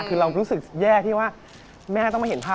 กินข้าวกับน้ำตา